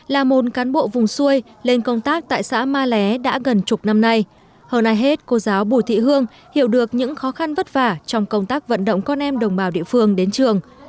là một cán bộ vùng xuôi lên công tác tại xã ma lé đã gần chục năm nay hơn ai hết cô giáo bùi thị hương hiểu được những khó khăn vất vả trong công tác vận động con em đồng bào địa phương đến trường